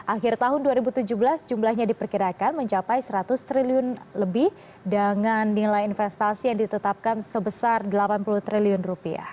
akhir tahun dua ribu tujuh belas jumlahnya diperkirakan mencapai seratus triliun lebih dengan nilai investasi yang ditetapkan sebesar delapan puluh triliun rupiah